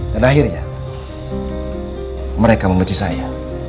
dan akhirnya mereka membenci saya